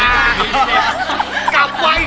กลีวาวนี้